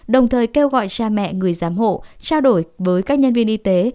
đồng thời kêu gọi cha mẹ người giám hộ trao đổi với các nhân viên y tế